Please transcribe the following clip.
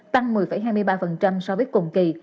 tăng một mươi hai mươi ba so với cùng kỳ